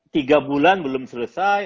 tiga bulan belum selesai